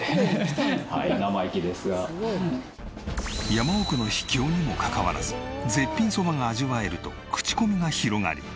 山奥の秘境にもかかわらず絶品そばが味わえると口コミが広がり